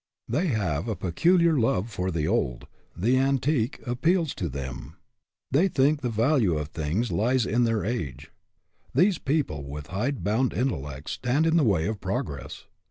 They have a peculiar love for the old ; the antique appeals to them. They think the value of things lies in their age. These people with hide bound intellects stand in the way of progress.